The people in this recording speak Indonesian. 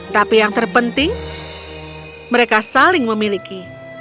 tapi yang terpenting mereka saling memiliki